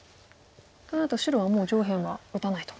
となると白はもう上辺は打たないと。